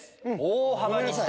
大幅に下。